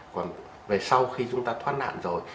còn về sau khi chúng ta thoát nạn rồi